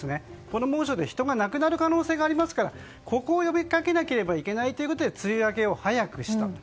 この猛暑で人が亡くなる可能性がありますからここを呼びかけなければいけないということで梅雨明けを早くしたと。